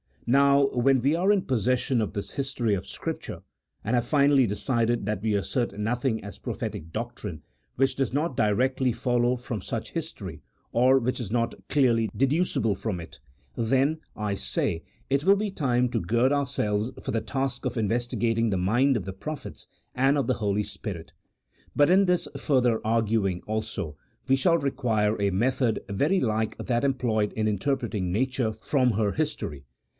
Now, when we are in possession of this history of Scrip ture, and have finally decided that we assert nothing as prophetic doctrine which does not directly follow from such 104 A THEOLOGICO POLITICAL TREATISE. [CHAP. VII. history, or which is not clearly deducible from it, then, I say, it will be time to gird ourselves for the task of investi gating the mind of the prophets and of the Holy Spirit. But in this further arguing, also, we shall require a method very like that employed in interpreting nature from her history.